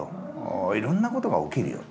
いろんなことが起きるよ」と。